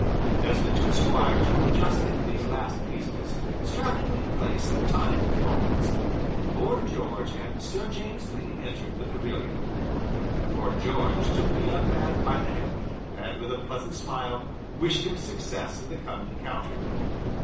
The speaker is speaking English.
As the two squires were adjusting these last pieces, strapping them in place and tying the thongs, Lord George and Sir James Lee entered the pavilion. Lord George took the young man by the hand, and with a pleasant smile wished him success in the coming encounter.